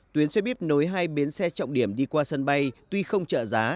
tuyến xe buýt nối hai bến xe trọng điểm đi qua sân bay tuy không trợ giá